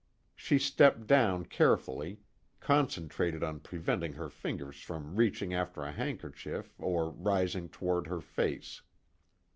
She stepped down carefully, concentrated on preventing her fingers from reaching after a handkerchief or rising toward her face.